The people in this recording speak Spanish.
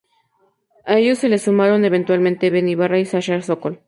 A ellos se les sumaron eventualmente Benny Ibarra y Sasha Sokol.